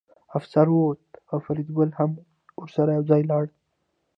افسر ووت او فریدګل هم ورسره یوځای لاړ